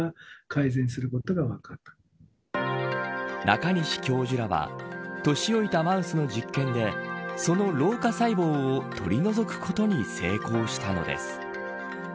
中西教授らは年老いたマウスの実験でその老化細胞を取り除くことに成功したのです。